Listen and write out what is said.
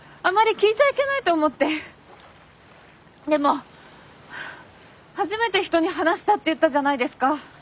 でも初めて人に話したって言ったじゃないですか。